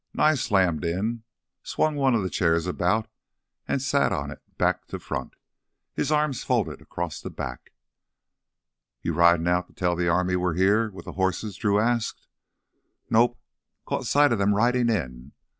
Nye slammed in, swung one of the chairs about, and sat on it back to front, his arms folded across the back. "You ridin' out to tell the army we're here—with the horses?" Drew asked. "Nope, caught sight of them ridin' in.